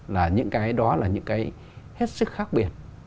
là những cái đó là những cái hết sức khác biệt